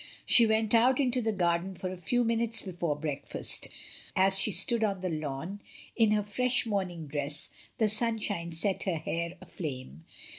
She went out into the garden for a few minutes before breakfast; as she stood on the lawn in her fresh morning dress the sunshine set her hair aflame.